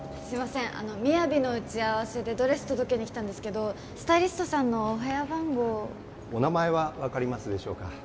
すいません「ＭＩＹＡＶＩ」の打ち合わせでドレス届けに来たんですけどスタイリストさんのお部屋番号をお名前は分かりますでしょうか？